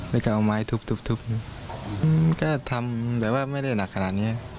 แล้วก็เอาไม้ทุบก็ทำแบบว่าไม่ได้หนักขนาดนี้